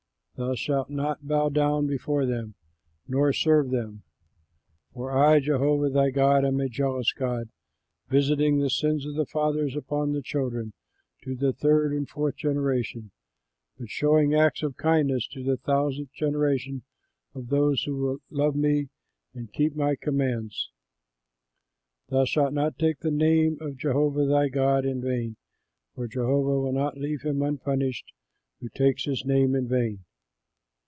Thou shalt not bow down before them, nor serve them, for I Jehovah thy God am a jealous God visiting the sins of the fathers upon the children to the third and fourth generation, but showing acts of kindness to the thousandth generation of those who love me and keep my commands. "THOU SHALT NOT TAKE THE NAME OF JEHOVAH THY GOD IN VAIN, for Jehovah will not leave him unpunished who takes his name in vain.